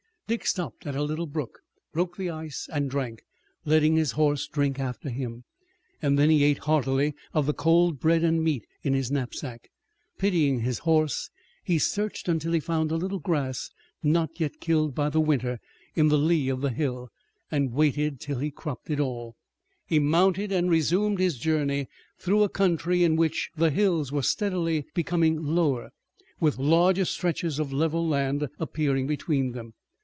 Dick stopped at a little brook, broke the ice and drank, letting his horse drink after him. Then he ate heartily of the cold bread and meat in his knapsack. Pitying his horse he searched until he found a little grass not yet killed by winter in the lee of the hill, and waited until he cropped it all. He mounted and resumed his journey through a country in which the hills were steadily becoming lower, with larger stretches of level land appearing between them.